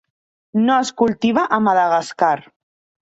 No es cultiva a Madagascar.